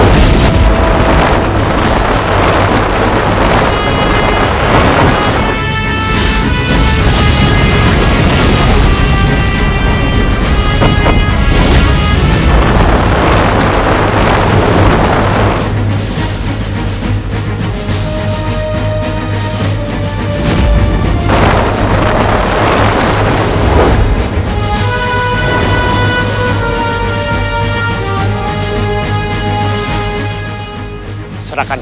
penaga puspa tingkat terakhir